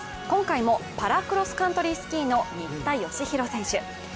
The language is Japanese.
今回もパラクロスカントリースキーの新田佳浩選手。